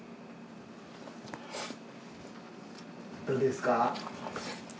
どうですか？